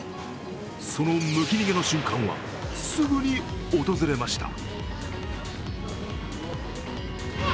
そのむき逃げの瞬間はすぐに訪れました。